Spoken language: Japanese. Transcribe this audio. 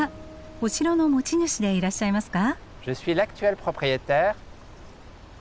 お城の持ち主でいらっしゃいますか？